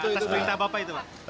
atas perintah bapak itu pak